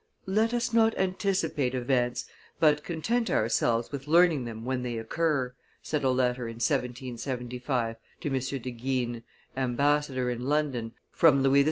"Let us not anticipate events, but content ourselves with learning them when they occur," said a letter, in 1775, to M. de Guines, ambassador in London, from Louis XVI.